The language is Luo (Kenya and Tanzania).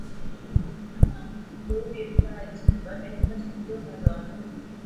Nordin Hajji, ma en jatend joma nono